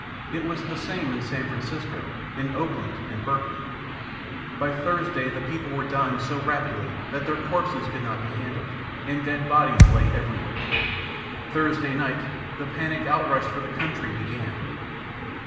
It was the same in San Francisco, and Oakland, and Berkeley. By Thursday the people were dying so rapidly that their corpses could not be handled, and dead bodies lay everywhere. Thursday night the panic outrush for the country began.